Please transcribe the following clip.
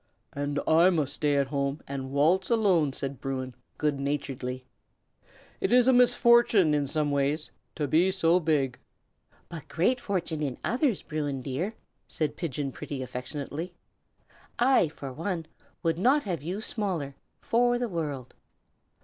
"And I must stay at home and waltz alone!" said Bruin, goodnaturedly. "It is a misfortune, in some ways, to be so big." "But great good fortune in others, Bruin, dear!" said Pigeon Pretty, affectionately. "I, for one, would not have you smaller, for the world!"